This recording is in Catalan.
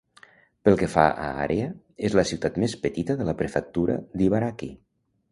Pel que fa a àrea, és la ciutat més petita de la prefectura d'Ibaraki.